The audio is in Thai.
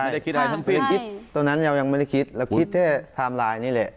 จะคิดอะไรทั้งสิ้นคิดตรงนั้นเรายังไม่ได้คิดเราคิดแค่ไทม์ไลน์นี่แหละ